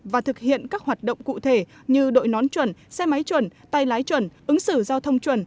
và thực hiện các hoạt động cụ thể như đội nón chuẩn xe máy chuẩn tay lái chuẩn ứng xử giao thông chuẩn